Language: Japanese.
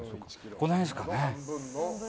この辺ですかね。